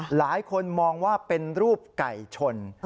หลายคนมองว่าเป็นรูปไก่ชน